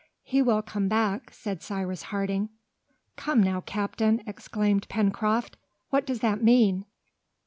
"He will come back," said Cyrus Harding. "Come now, captain," exclaimed Pencroft, "what does that mean?